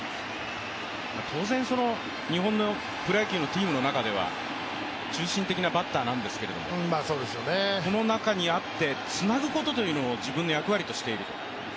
当然、日本のプロ野球のチームの中では中心的なバッターなんですけれども、この中にあってつなぐことというのを自分の役割としていると。